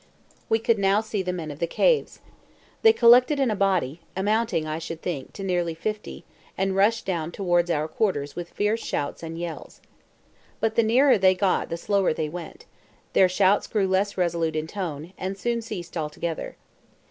We could now see the men of the caves. They collected in a body, amounting, I should think, to nearly fifty, and rushed down towards our quarters with fierce shouts and yells. But the nearer they got the slower they went; their shouts grew less resolute in tone, and soon ceased altogether.